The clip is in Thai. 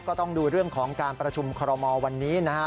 ก็ต้องดูเรื่องของการประชุมคอรมอลวันนี้นะครับ